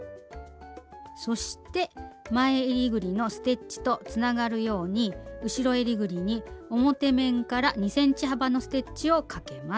そして前えりぐりのステッチとつながるように後ろえりぐりに表面から２ｃｍ幅のステッチをかけます。